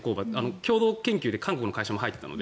共同研究で韓国の会社も入っていたので。